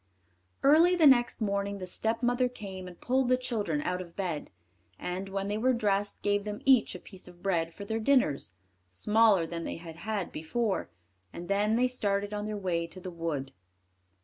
Early the next morning the stepmother came and pulled the children out of bed, and, when they were dressed, gave them each a piece of bread for their dinners, smaller than they had had before, and then they started on their way to the wood.